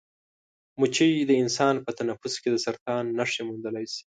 مچۍ د انسان په تنفس کې د سرطان نښې موندلی شي.